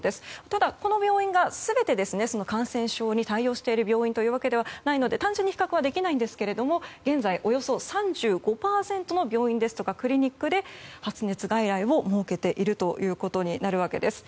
ただ、この病院が全て感染症に対応している病院というわけではないので単純に比較はできませんが現在、およそ３５％の病院やクリニックで発熱外来を設けているということになるんです。